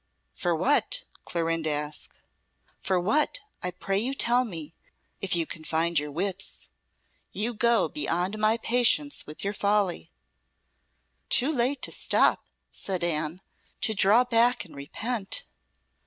"For what?" Clorinda asked. "For what, I pray you tell me, if you can find your wits. You go beyond my patience with your folly." "Too late to stop," said Anne "to draw back and repent."